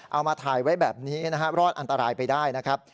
เอามาถ่ายไว้แบบนี้นะฮะรอดอันตรายไปได้นะครับ